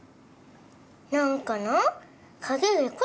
何かな。